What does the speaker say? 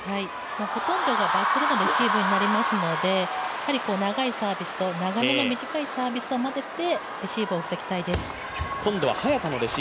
ほとんどがバックのレシーブになりますので、長いサービスと短いサービスを交ぜてレシーブを防ぎたいです。